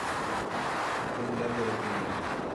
Hûn nebiriqîne.